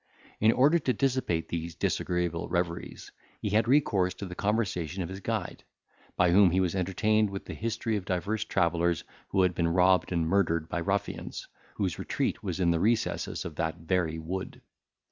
In order to dissipate these disagreeable reveries, he had recourse to the conversation of his guide, by whom he was entertained with the history of divers travellers who had been robbed and murdered by ruffians, whose retreat was in the recesses of that very wood.